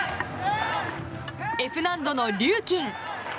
Ｆ難度のリューキン。